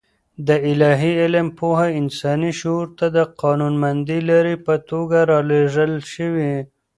د الاهي علم پوهه انساني شعور ته د قانونمندې لارې په توګه رالېږل شوې.